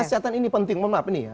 kesehatan ini penting mohon maaf ini ya